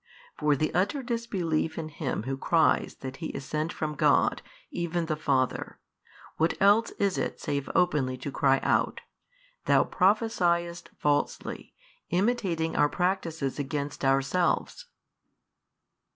For the utter disbelief in Him Who cries that He is sent from God, even the Father, what else is it save openly to cry out, Thou prophesiest falsely, imitating our practices against ourselves?